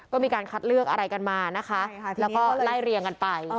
ก็มีการคัดเลือกอะไรกันมานะคะแล้วก็ไล่เรียงกันไป